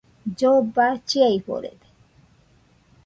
Lloba chiaforede